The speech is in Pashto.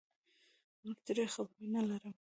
نور ترې خبر نه لرم